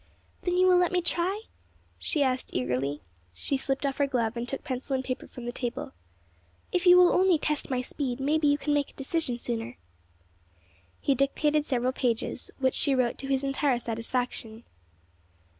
"Then you will let me try," she asked, eagerly. She slipped off her glove, and took pencil and paper from the table. "If you will only test my speed, maybe you can make a decision sooner." He dictated several pages, which she wrote to his entire satisfaction.